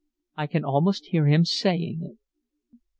I can almost hear him saying it."